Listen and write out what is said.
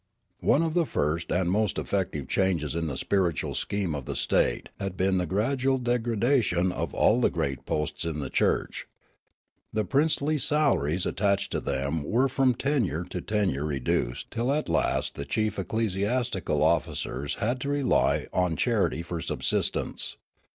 One of the first and most effective changes in the spiritual scheme of the state had been the gradual degradation of all the great posts in the church. The princely salaries attached to them were from tenure to tenure reduced till at last the chief ecclesiastical officers had to rely on charity for subsistence.